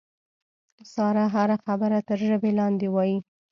ساره هره خبره تر ژبې لاندې وایي.